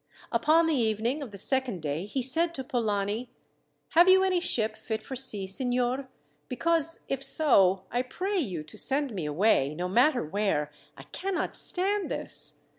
Upon the evening of the second day he said to Polani: "Have you any ship fit for sea, signor, because if so, I pray you to send me away, no matter where. I cannot stand this.